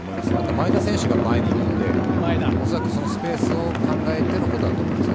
前田選手が前にいるので、そのスペースを考えてのことだと思います。